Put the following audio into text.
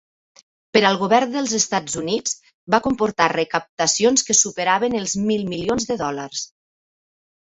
Per al govern dels Estats Units, va comportar recaptacions que superaven els mil milions de dòlars.